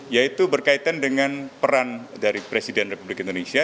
yaitu berkaitan dengan peran dari presiden republik indonesia